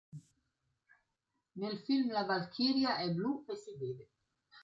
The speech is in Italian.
Nel film la Valchiria è blu e si beve.